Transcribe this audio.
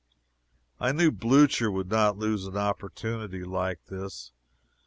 I knew Blucher would not lose an opportunity like this.